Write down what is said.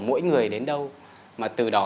mỗi người đến đâu mà từ đó